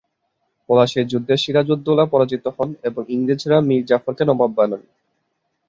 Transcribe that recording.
পলাশীর যুদ্ধে সিরাজউদ্দৌলা পরাজিত হন এবং ইংরেজরা মীর জাফরকে নবাব বানান।